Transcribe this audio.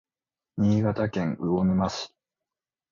新潟県魚沼市